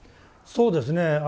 そうですね。